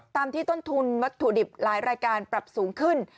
ที่ต้นทุนวัตถุดิบหลายรายการปรับสูงขึ้น